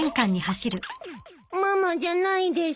ママじゃないです。